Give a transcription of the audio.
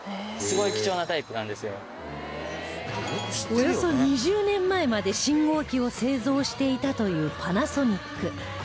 およそ２０年前まで信号機を製造していたというパナソニック